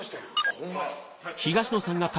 ホンマや。